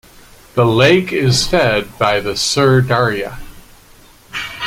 The lake is fed by the Syr Darya.